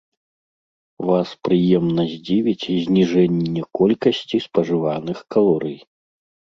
Вас прыемна здзівіць зніжэнне колькасці спажываных калорый.